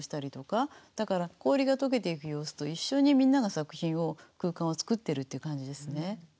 だから氷が解けていく様子と一緒にみんなが作品を空間を作ってるっていう感じですね。